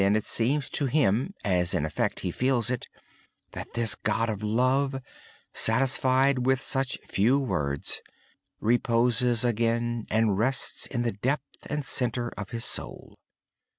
It seems to him (in fact, he feels it) that this God of love, satisfied with such few words, reposes again and rests in the depth and center of his soul.